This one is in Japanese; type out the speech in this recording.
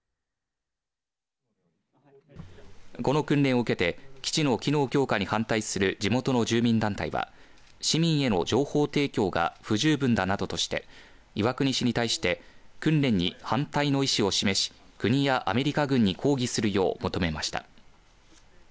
この訓練を受けて基地の機能強化に反対する地元の住民団体は市民への情報提供が不十分だなどとして岩国市に対して訓練に反対の意思を示し国やアメリカ軍に抗議するよう求めました。